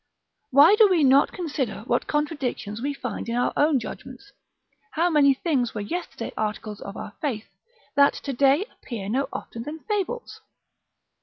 Why do we not consider what contradictions we find in our own judgments; how many things were yesterday articles of our faith, that to day appear no other than fables?